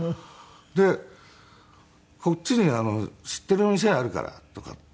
で「こっちに知っている店あるから」とかって言って。